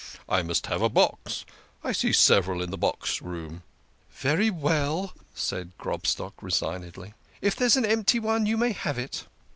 I must have a box. I see several in the box room." " Very well," said Grobstock resignedly. " If there's an empty one you may have it."